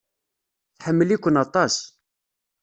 Tḥemmel-iken aṭas.